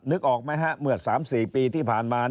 นึกออกมั๊ยฮะเมื่อสามสี่ปีที่ผ่านมา